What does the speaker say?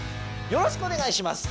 よろしくお願いします。